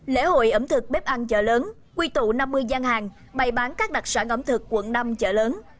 lễ hội ẩm thực bếp ăn chợ lớn quy tụ năm mươi gian hàng bày bán các đặc sản ẩm thực quận năm chợ lớn